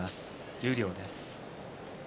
十両です。